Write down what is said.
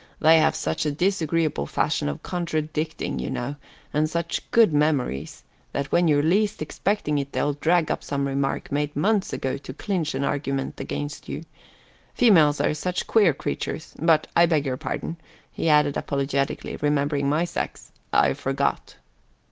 They have such a disagreeable fashion of contradicting, you know, and such good memories, that when you're least expecting it up they'll drag some remark made months ago to clinch an argument against you. Females are such queer creatures but I beg your pardon," he added apologetically, remembering my sex. "I forgot."